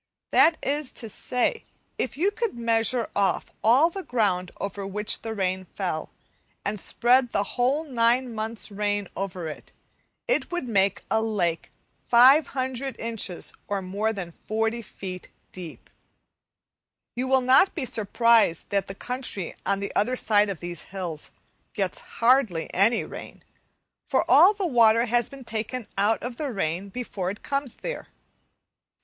That is to say, if you could measure off all the ground over which the rain fell, and spread the whole nine months' rain over it, it would make a lake 500 inches, or more than 40 feet deep! You will not be surprised that the country on the other side of these hills gets hardly any rain, for all the water has been taken out of the air before it comes there.